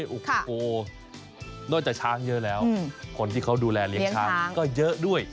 โอ้โหนอกจากช้างเยอะแล้วคนที่เขาดูแลเลี้ยงช้างก็เยอะด้วย